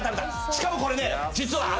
しかもこれね実は。